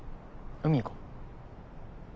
海行こう。